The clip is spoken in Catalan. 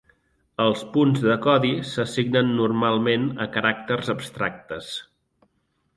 Els punts de codi s'assignen normalment a caràcters abstractes.